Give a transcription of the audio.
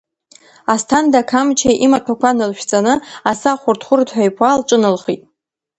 Асҭанда Қамча имаҭәақәа налышәҵаны, асы ахәырд-хәырдҳәа иԥуа лҿыналхеит.